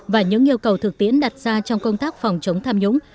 và những yêu cầu thực tiễn đặt ra trong công tác phòng chống tham nhũng